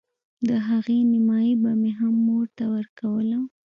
د هغې نيمايي به مې هم مور ته ورکوله.